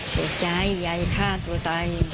คิดว่าใจยายจะฆ่าตัวตาย